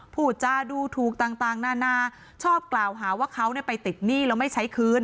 ผู้จ้าดูถูกต่างต่างหน้าน่าชอบกล่าวหาว่าเขาเนี่ยไปติดหนี้แล้วไม่ใช้คืน